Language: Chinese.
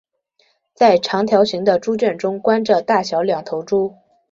在长条形的猪圈中关着大小两头猪。